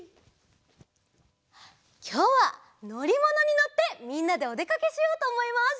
きょうはのりものにのってみんなでおでかけしようとおもいます。